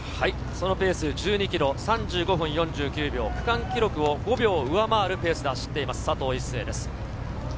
そのペース１２ｋｍ３５分４９秒、区間記録を５秒上回るペース走っています、佐藤一世です。